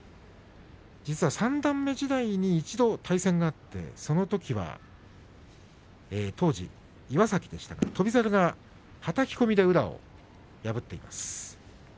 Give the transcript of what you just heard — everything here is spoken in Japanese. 実は三段目時代に一度対戦があってそのときは当時、岩崎でした翔猿がはたき込みで宇良を破っています。